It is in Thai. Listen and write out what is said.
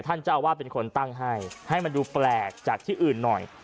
ท่านเจ้าอาวาสเป็นคนตั้งให้ให้มันดูแปลกจากที่อื่นหน่อย